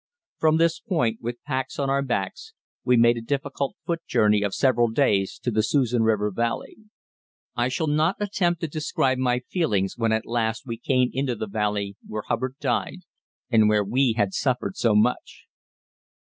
From this point, with packs on our backs, we made a difficult foot journey of several days to the Susan River valley. I shall not attempt to describe my feelings when at last we came into the valley where Hubbard died and where we had suffered so much.